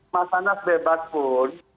mas anas bebas pun